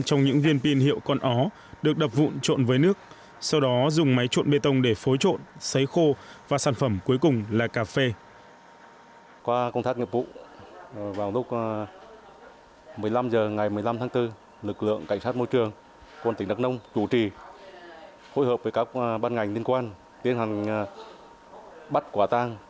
công an tỉnh đắk nông chủ trì phối hợp với các ban ngành liên quan tiến hành bắt quả tang